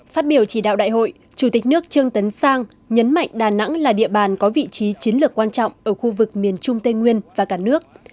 phát biểu chỉ đạo đại hội chủ tịch nước trương tấn sang nhấn mạnh đà nẵng là địa bàn có vị trí chiến lược quan trọng ở khu vực miền trung tây nguyên và cả nước